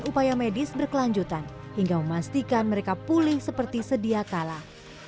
dan upaya medis berkelanjutan hingga memastikan mereka pulih seperti sedia kalah